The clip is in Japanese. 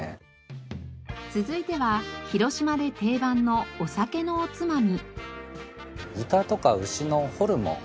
続いては広島で定番のお酒のおつまみ。